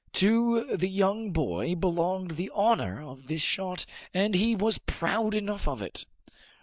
To the young boy belonged the honor of this shot, and he was proud enough of it.